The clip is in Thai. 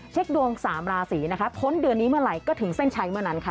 ดวง๓ราศีนะคะพ้นเดือนนี้เมื่อไหร่ก็ถึงเส้นชัยเมื่อนั้นค่ะ